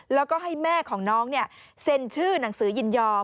แล้วก็ให้แม่ของน้องเซ็นชื่อหนังสือยินยอม